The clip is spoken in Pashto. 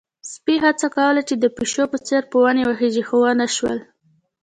سپي هڅه کوله چې د پيشو په څېر په ونې وخيژي، خو ونه شول.